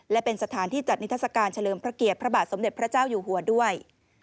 และเป็นสถานที่จัดนิทัศกาลเฉลิมพระเกียรติพระบาทสมเด็จพระเจ้าอยู่หัวด้วย